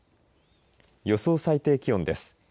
予想最低気温です。